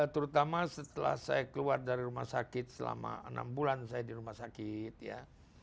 terutama setelah saya keluar dari rumah sakit selama enam bulan saya di rumah sakit ya